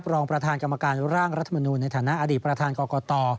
รองประธานกรรมการร่างรัฐมนูลในฐานะอดีตประธานกรกต